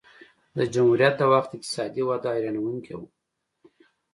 د جمهوریت د وخت اقتصادي وده حیرانوونکې وه